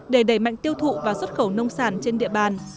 để đẩy mạnh tiêu thụ và xuất khẩu nông sản trên địa bàn